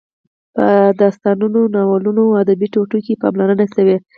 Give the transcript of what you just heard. په داستانونو، ناولونو او ادبي ټوټو کې پاملرنه شوې.